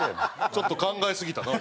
ちょっと考えすぎたな。